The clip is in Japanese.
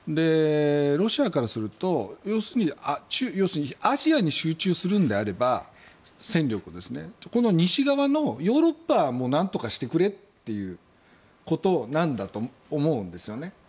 ロシアからすると、戦力をアジアに集中するのであればこの西側のヨーロッパもなんとかしてくれということなんだと思うんですよね。